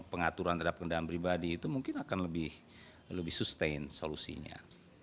pengaturan terhadap kendaraan pribadi itu mungkin akan lebih sustain solusinya